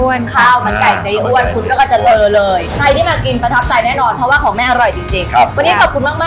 วันนี้ขอบคุณมากขอบคุณแม่อ้วนมากนะคะ